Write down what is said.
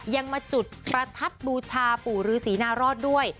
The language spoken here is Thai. ยังมาจุดประทัดบูชาปู่ฤษีนารอดด้วย